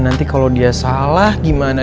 nanti kalau dia salah gimana